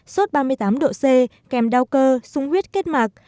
sốt ba mươi tám độ c kèm đau cơ sung huyết kết mạc